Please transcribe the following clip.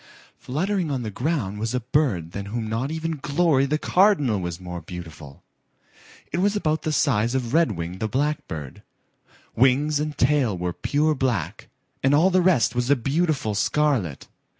Fluttering on the ground was a bird than whom not even Glory the Cardinal was more beautiful. It was about the size of Redwing the Blackbird. Wings and tail were pure black and all the rest was a beautiful scarlet.